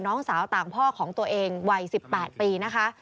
น้องสาวต่างพ่อของตัวเองวัย๑๘ปีนะคะ